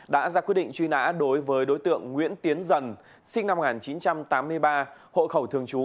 đã ra quyết định truy nã đối với đối tượng nguyễn tiến dần sinh năm một nghìn chín trăm tám mươi ba hộ khẩu thường trú